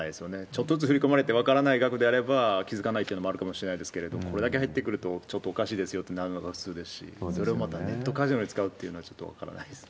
ちょっとずつ振り込まれて分からない額であれば、気付かないというのもあるかもしれませんけれども、これだけ入ってくると、ちょっとおかしいですよってなるのが普通ですし、それをまたネットカジノで使うというのはちょっと分からないです